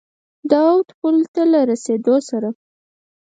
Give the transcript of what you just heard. د اود پولو ته له رسېدلو سره.